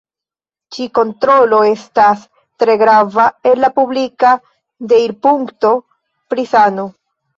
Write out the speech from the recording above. Ĉi-kontrolo estas tre grava el la publika deirpunkto pri sano.